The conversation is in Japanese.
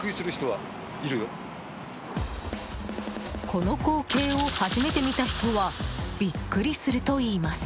この光景を初めて見た人はビックリするといいます。